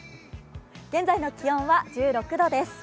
現在の気温は１６度です。